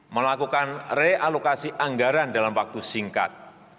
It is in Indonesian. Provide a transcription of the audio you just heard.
melakukan realokasi anggaran dalam waktu singkat